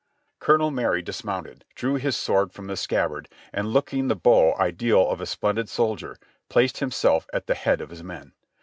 Colonel Marye dismounted, drew his sword from the scabbard, and looking the beau ideal of a splendid soldier, placed himself at the head of his men.